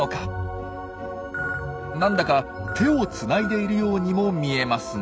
何だか手をつないでいるようにも見えますが。